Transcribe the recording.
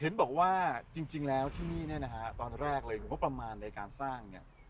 เห็นบอกว่าจริงแล้วที่นี่เนี่ยนะฮะตอนแรกเลยงบประมาณในการสร้างเนี่ย